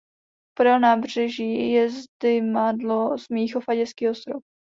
Podél nábřeží je zdymadlo Smíchov a Dětský ostrov.